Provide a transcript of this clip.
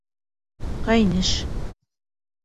Ҡәйнеш.